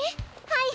はい。